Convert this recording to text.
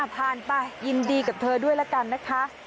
ผ่านไปยินดีกับเธอด้วยละกันนะคะ